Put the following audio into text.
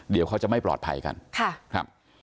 เดี๋ยวเขาจะไม่ปลอดภัยกันครับ